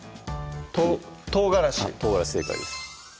唐辛子唐辛子正解です